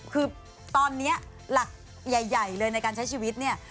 คือตอนนี้หลักใหญ่เลยในการใช้ชีวิตเนี่ย